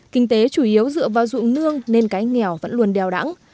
kinh tế chủ yếu dựa vào dụng nương nên cái nghèo vẫn luôn đeo đằng